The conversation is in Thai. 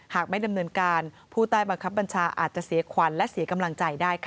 หากไม่ดำเนินการผู้ใต้บังคับบัญชาอาจจะเสียขวัญและเสียกำลังใจได้ค่ะ